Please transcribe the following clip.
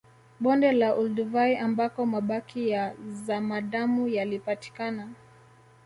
Bonde la Olduvai ambako mabaki ya zamadamu yalipatikana